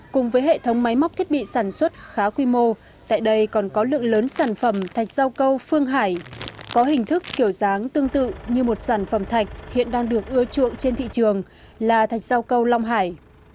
cùng với hệ thống máy móc thiết bị sản xuất khá quy mô tại đây còn có lượng lớn sản phẩm thạch rau câu phương hải có hình thức kiểu dáng tương tự như một sản phẩm thạch hiện đang được ưa chuộng trên thị trường là thạch rau câu long hải